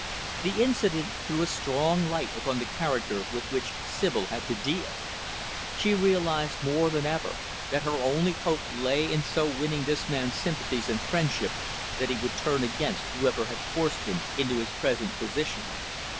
The incident threw a strong light upon the character with which Sibyl had to deal. She realized, more than ever, that her only hope lay in so winning this man's sympathies and friendship that he would turn against whoever had forced him into his present position.